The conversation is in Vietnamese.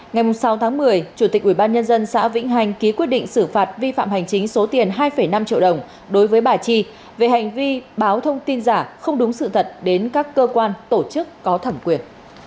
ngày sáu tháng một mươi chủ tịch ubnd xã vĩnh hành ký quyết định xử phạt vi phạm hành chính số tiền hai năm triệu đồng đối với bà chi về hành vi báo thông tin giả không đúng sự thật đến các cơ quan tổ chức có thẩm quyền